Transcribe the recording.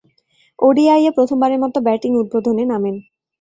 ওডিআইয়ে প্রথমবারের মতো ব্যাটিং উদ্বোধনে নামেন।